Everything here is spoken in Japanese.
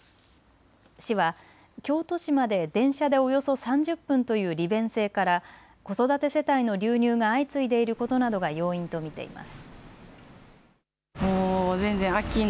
市は京都市まで電車でおよそ３０分という利便性から子育て世帯の流入が相次いでいることなどが要因と見ています。